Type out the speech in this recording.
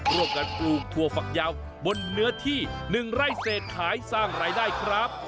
ปลูกถั่วฝักยาวบนเนื้อที่๑ไร่เศษขายสร้างรายได้ครับ